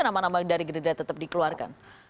nama nama dari gerindra tetap dikeluarkan